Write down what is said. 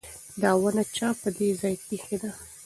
دا ونه چا په دې ځای کې ایښې ده؟